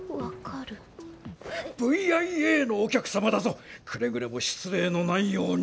Ｖ．Ｉ．Ａのお客様だぞくれぐれも失礼のないように。